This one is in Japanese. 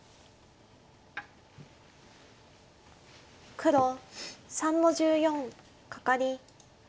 黒３の十四カカリ。